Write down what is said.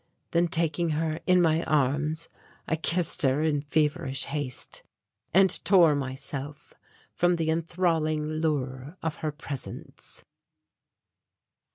Then taking her in my arms, I kissed her in feverish haste and tore myself from the enthralling lure of her presence.